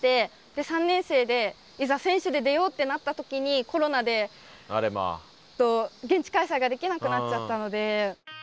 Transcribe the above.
で３年生でいざ選手で出ようってなった時にコロナで現地開催ができなくなっちゃったので。